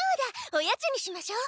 おやつにしましょう！